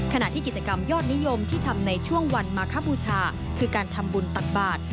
ขณะที่กิจกรรมยอดนิยมที่ทำในช่วงวันมาคบูชาคือการทำบุญตักบาท